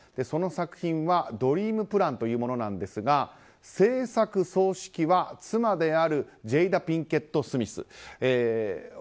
その作品は「ドリームプラン」というものなんですが製作総指揮は妻であるジェイダ・ピンケット・スミス。